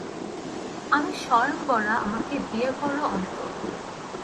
আমি স্বয়ংবরা, আমাকে বিয়ে করো অন্তু।